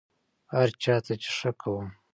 هر چا ته چې ښه کوم،